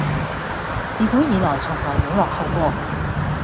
自古以來從來冇落後過